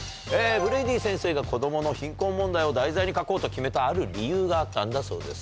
ブレイディ先生が子供の貧困問題を題材に書こうと決めたある理由があったんだそうです。